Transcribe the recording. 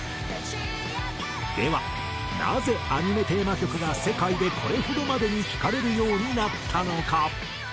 ではなぜアニメテーマ曲が世界でこれほどまでに聴かれるようになったのか？